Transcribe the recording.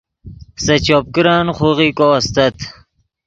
سے چوپ کرن خوغیکو استت